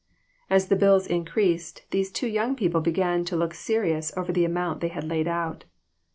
As the bills increased, these two young people began to look serious over the amount they had laid out.